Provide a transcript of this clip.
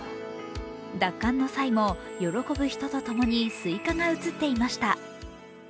奪還の際も喜ぶ人と共にすいかが映っていました。